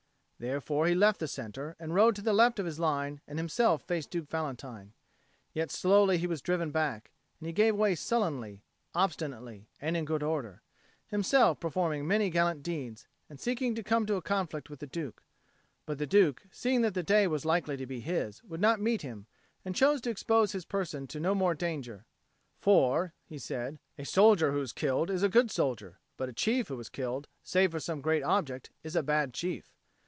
Therefore he left the centre and rode to the left of his line and himself faced Duke Valentine. Yet slowly was he driven back, and he gave way sullenly, obstinately, and in good order, himself performing many gallant deeds, and seeking to come to a conflict with the Duke. But the Duke, seeing that the day was likely to be his, would not meet him and chose to expose his person to no more danger: "For," he said, "a soldier who is killed is a good soldier; but a chief who is killed save for some great object is a bad chief."